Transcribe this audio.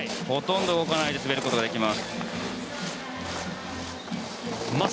ほとんど動かないで滑ることができます。